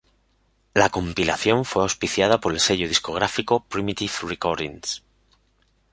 La compilación fue auspiciada por el sello discográfico Primitive Recordings.